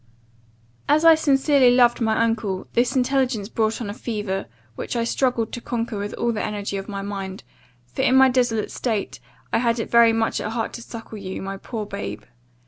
"As I sincerely loved my uncle, this intelligence brought on a fever, which I struggled to conquer with all the energy of my mind; for, in my desolate state, I had it very much at heart to suckle you, my poor babe.